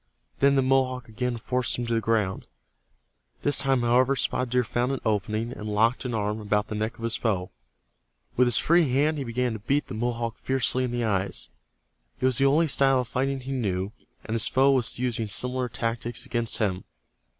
Then the Mohawk again forced him to the ground. This time, however, Spotted Deer found an opening, and locked an arm about the neck of his foe. With his free hand he began to beat the Mohawk fiercely in the eyes. It was the only style of fighting he knew, and his foe was using similar tactics against him.